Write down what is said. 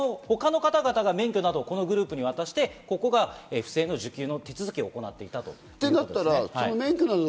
このほかの方々が免許などをこのグループに渡して、ここが不正受給の手続きを行っていた。